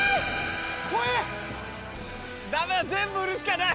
ダメだ全部売るしかない。